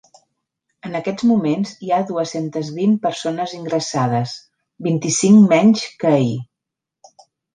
En aquests moments hi ha dues-centes vint persones ingressades, vint-i-cinc menys que ahir.